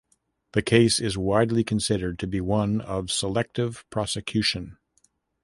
The case is widely considered to be one of selective prosecution.